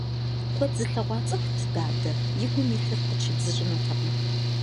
Куэд зылъэгъуа цӀыхут дадэ, и гум илъыр къыпщибзыщӀынутэкъым.